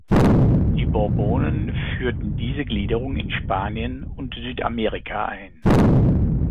Die Bourbonen führten diese Gliederung in Spanien und Südamerika ein.